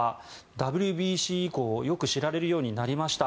ＷＢＣ以降よく知られるようになりました。